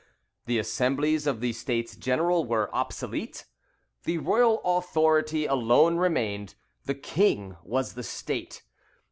The assemblies of the States General were obsolete. The royal authority alone remained. The King was the State.